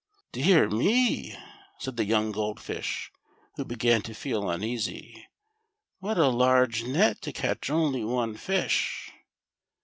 " Dear me !" said the young Gold Fish, who began to feel uneasy ;" what a large net to catch only one fish